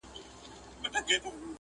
موده مخکي چي دي مړ سپین ږیری پلار دئ٫